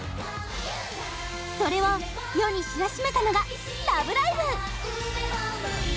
それを世に知らしめたのが「ラブライブ！」。